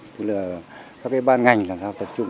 thì là các cái ban ngành làm sao tập trung